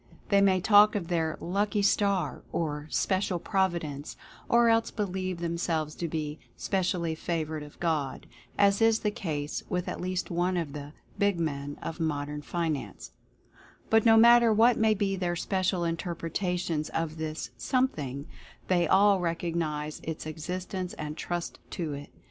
They may talk of their "lucky star" or "special providence," or else believe themselves to be "specially favored of God" (as is the case with at least one of the "big men" of modern finance), but no matter what may be their special in terpretations of this "Something," they all recognize its existence and trust to it.